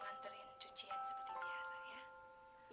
kalian mendingan mengantarkan cucian seperti biasa ya